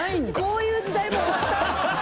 こういう時代も終わった？